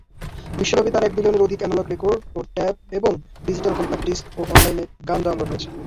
বিশ্বব্যাপী তার এক বিলিয়নের অধিক অ্যানালগ রেকর্ড ও টেপ এবং ডিজিটাল কমপ্যাক্ট ডিস্ক ও অনলাইনে গান ডাউনলোড হয়েছে।